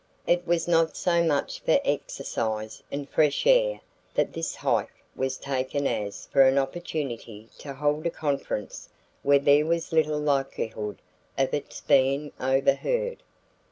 It was not so much for exercise and fresh air that this "hike" was taken as for an opportunity to hold a conference where there was little likelihood of its being overheard.